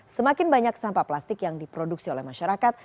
semakin banyak sampah plastik yang diproduksi oleh masyarakat